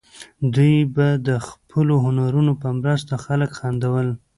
دوی به د خپلو هنرونو په مرسته خلک خندول.